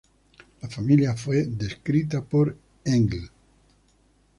La familia fue descrita por Engl.